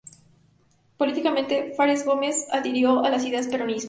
Políticamente, Farías Gómez adhirió a las ideas peronistas.